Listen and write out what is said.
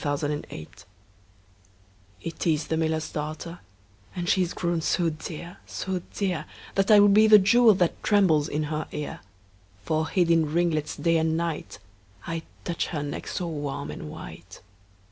The Miller's Daughter IT is the miller's daughter, And she is grown so dear, so dear, That I would be the jewel That trembles in her ear: For hid in ringlets day and night, 5 I'd touch her neck so warm and white.